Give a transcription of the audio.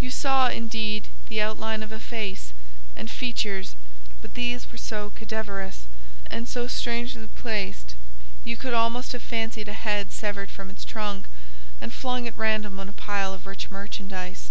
You saw, indeed, the outline of a face, and features, but these were so cadaverous and so strangely placed, you could almost have fancied a head severed from its trunk, and flung at random on a pile of rich merchandise.